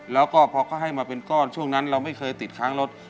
แล้วก็พอเขาให้มาเป็นก้อนช่วงนั้นเราไม่เคยติดค้างรถ